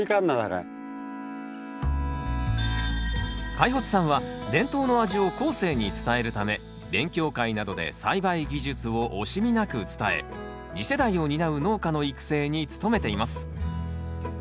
開發さんは伝統の味を後世に伝えるため勉強会などで栽培技術を惜しみなく伝え次世代を担う農家の育成に努めています。